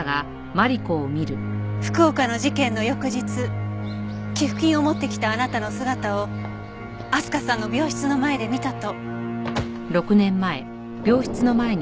福岡の事件の翌日寄付金を持ってきたあなたの姿をあすかさんの病室の前で見たと。